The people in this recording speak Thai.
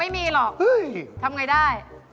ไม่มีหรอกทำไงได้